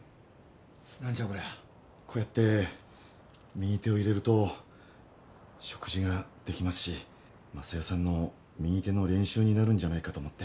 こうやって右手を入れると食事ができますし昌代さんの右手の練習になるんじゃないかと思って。